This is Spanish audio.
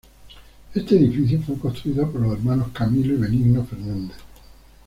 Este edificio fue construido por los hermanos Camilo y Benigno Fernández.